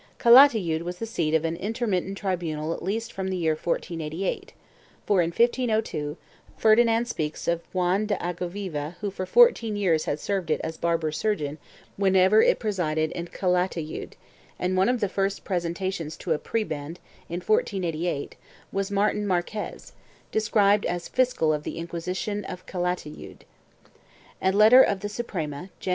Calatayud was the seat of an intermittent tribunal at least from the year 1488 for, in 1502, Ferdinand speaks of Joan de Aguaviva who for fourteen years had served it as barber surgeon whenever it resided in Calatayud and one of the first presentations to a prebend, in 1488, was Martin Marquez, described as fiscal of the Inquisition of Calatayud. A letter of the Suprema, Jan.